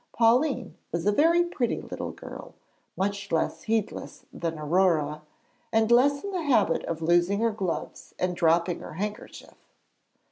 Pauline was a very pretty little girl, much less heedless than Aurore, and less in the habit of losing her gloves and dropping her handkerchief.